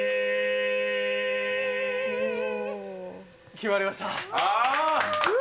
決まりました。